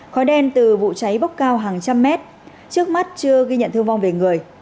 khói đen từ vụ cháy bốc cao hàng trăm mét trước mắt chưa ghi nhận thương vong về người